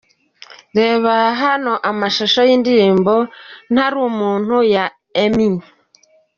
Reba hano amashusho y'indirimbo "Ntari umuntu" ya Emmy.